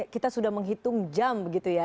kita sudah menghitung jam begitu ya